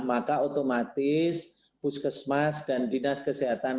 maka otomatis puskesmas dan dinas kesehatan